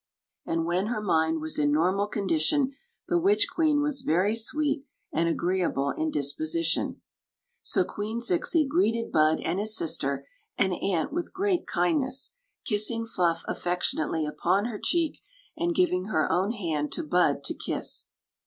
And when her mind was in normal condition the witch queen was very sweet and agreeable in disposition. So Queen Zixi greeted Bud and his sister and aunt with great kindness, kis^ng Fluff affectionately upon her cheek and giving her own hand to Bud to kiss.